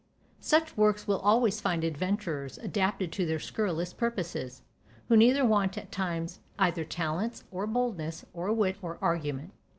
Such works will always find adventurers adapted to their scurrilous purposes, who neither want at times either talents, or boldness, or wit, or argument.